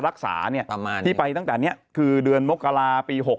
รักษาเนี่ยประมาณที่ไปตั้งแต่เนี้ยคือเดือนมกราปีหก